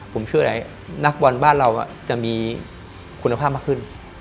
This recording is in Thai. ผมเชื่ออะไรนักบอลบ้านเราจะมีคุณภาพมากขึ้น